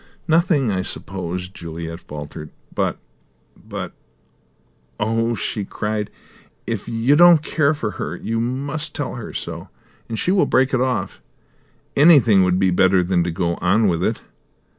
"Nothing, I suppose," Juliet faltered. "But but Oh," she cried, "if you don't care for her, you must tell her so, and she will break it off. Anything would be better than to go on with it!"